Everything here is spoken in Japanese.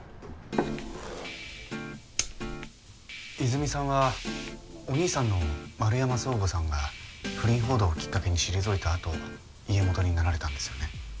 泉さんはお兄さんの円山宗吾さんが不倫報道をきっかけに退いたあと家元になられたんですよね。